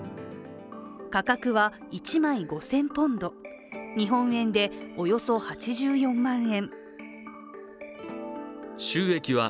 価格は１枚５０００ポンド日本円でおよそ８４万円。